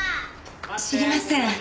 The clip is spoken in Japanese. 知りません。